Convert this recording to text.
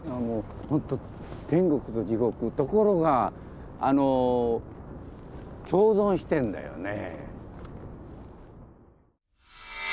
ほんと天国と地獄ところが共存してんだよね。